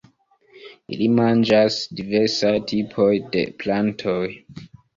Ili manĝas diversaj tipoj de plantoj.